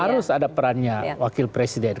harus ada perannya wakil presiden